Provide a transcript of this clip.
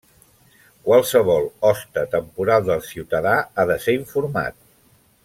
Qualsevol hoste temporal del ciutadà ha de ser informat.